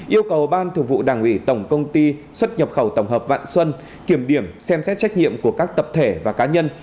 yêu cầu ban thường vụ đảng ủy tổng công ty xuất nhập khẩu tổng hợp vạn xuân kiểm điểm xem xét trách nhiệm của các tập thể và cá nhân